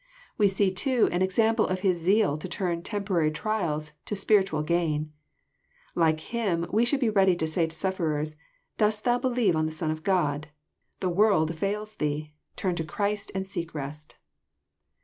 We see too an example of His zeal to turn temporal trials to spiritual gain. Like Him, we should be ready to say to sufferers, '< Dost thou believe on the Son of God? The world fails thee. Turn to Christ, and seek rest."